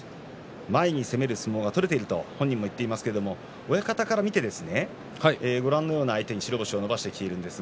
前に出る相撲が取れていると本人も言っていますが親方から見て、ご覧のような相手に白星を伸ばしています。